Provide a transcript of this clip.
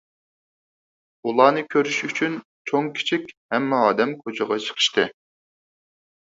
ئۇلارنى كۆرۈش ئۈچۈن چوڭ - كىچىك ھەممە ئادەم كوچىغا چىقىشتى.